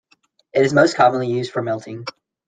It is most commonly used for melting.